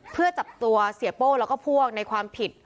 เพื่อจับตัวเสียโป้แล้วก็พวกในความผิด